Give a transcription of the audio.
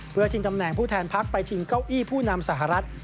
เพื่อชิงตำแหน่งผู้แทนพักไปชิงเก้าอี้ผู้นำสหรัฐ